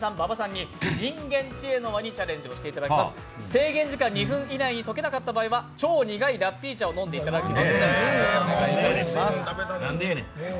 制限時間２分以内に解けなかった場合は超苦いラッピー茶を飲んでいただきます。